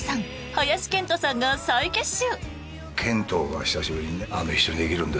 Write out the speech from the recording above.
林遣都さんが再結集！